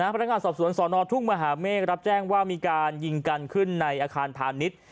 พนักงานสอบสวนสอนอทุ่งมหาเมฆรับแจ้งว่ามีการยิงกันขึ้นในอาคารพาณิชย์